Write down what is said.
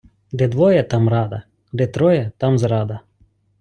Де двоє, там рада, де троє, там зрада.